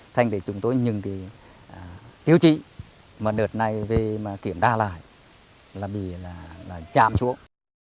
thành để chúng tôi những cái tiêu chí mà đợt này về kiểm đa lại là bị là chạm xuống